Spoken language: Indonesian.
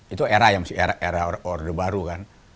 itu era yang masih era orde baru kan